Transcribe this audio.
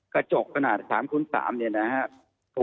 กระจกขนาด๓คูณ๓๓เนี่ยนะครับ